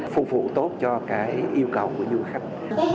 phục vụ tốt cho yêu cầu của du khách